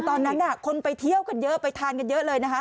ตอนนั้นคนไปเที่ยวกันเยอะไปทานกันเยอะเลยนะคะ